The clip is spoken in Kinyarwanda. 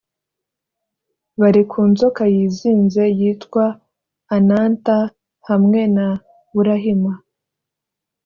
bari ku nzoka yizinze yitwa ananta hamwe na burahima